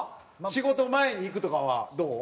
仕事前に行くとかはどう？